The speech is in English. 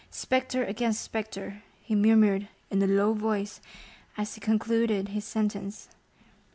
Spectre against spectre!" he murmured in a low voice, as he concluded his sentence.